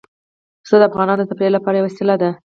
پسه د افغانانو د تفریح لپاره یوه وسیله ده.